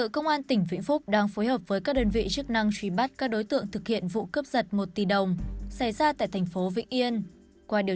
các bạn hãy đăng ký kênh để ủng hộ kênh của chúng mình nhé